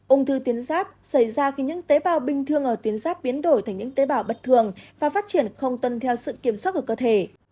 ung thư tiến giáp xảy ra khi những tế bào bình thường ở tuyến giáp biến đổi thành những tế bào bật thường và phát triển không tân theo sự kiểm soát của cơ thể